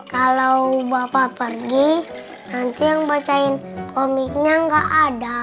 kalau bapak pergi nanti yang bacain komiknya nggak ada